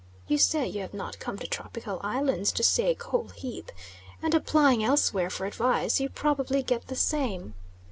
You say you have not come to tropical islands to see a coal heap, and applying elsewhere for advice you probably get the same.